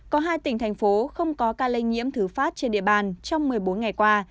có hai tỉnh thành phố không có ca lây nhiễm thứ phát trên địa bàn trong một mươi bốn ngày qua